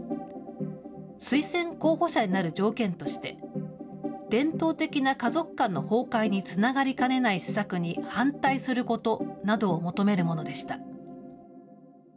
推薦候補者になる条件として、伝統的な家族観の崩壊につながりかねない施策に反対することなどを求めるものでした。